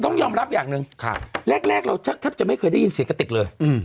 ต้องยอมรับอย่างหนึ่งแรกเราแทบจะไม่เคยได้ยินเสียงกะติกเลย